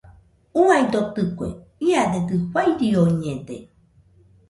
Uaidotɨkue, iadedɨ fairioñede.